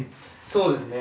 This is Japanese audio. そうですね。